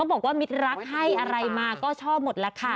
บอกว่ามิตรรักให้อะไรมาก็ชอบหมดแล้วค่ะ